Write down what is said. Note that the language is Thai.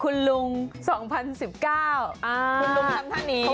คุณลุงทำท่านี้